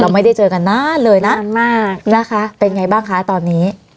ไม่ได้เจอกันนานเลยนะนานมากนะคะเป็นไงบ้างคะตอนนี้